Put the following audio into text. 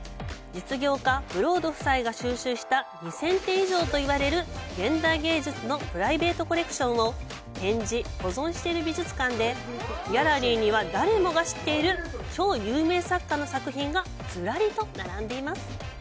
実業家ブロード夫妻が収集した２０００点以上といわれる現代芸術のプライベートコレクションを展示・保存している美術館で、ギャラリーには誰もが知っている超有名作家の作品がずらりと並んでいます。